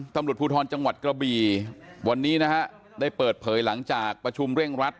ตำรวจภูทรจังหวัดกระบี่วันนี้นะฮะได้เปิดเผยหลังจากประชุมเร่งรัด